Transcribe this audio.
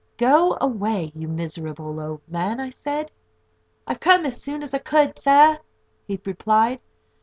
"Go away, you miserable old man," I said. "I've come as soon as I could, sur," he replied.